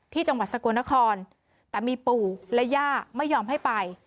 จังหวัดสกลนครแต่มีปู่และย่าไม่ยอมให้ไป